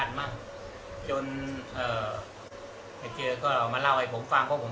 กลับกลับบ้านบ้าง